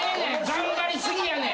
頑張り過ぎやねん。